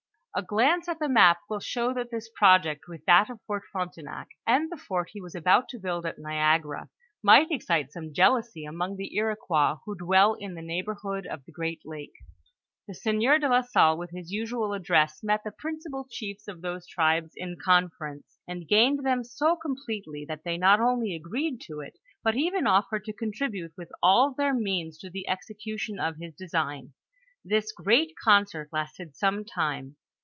A glance at the map will show that this project with that of Fc^rt Frontenac, and the fort he was about to build at Niag ara, might excite some jealousy among the Iroquois who dwell in the neighborhood of the great lake. The sieur de la Salle, with his usual address, met the principal chiefs of those tribes in conference, and gained them so completely that they not only agreed to it, but even offered to contribute with all their means to the execution of his design. This great con cert lasted some time.